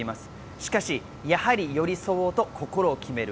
しかし、やはり寄り添おうと心を決める